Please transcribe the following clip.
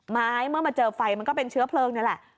เมื่อมาเจอไฟมันก็เป็นเชื้อเพลิงนั่นแหละ